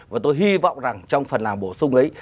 và tôi hy vọng rằng trong phần làm bổ sung ấy